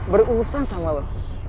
berurusan sama lo